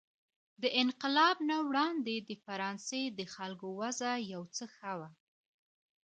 د انقلاب نه وړاندې د فرانسې د خلکو وضع یو څه ښه وه.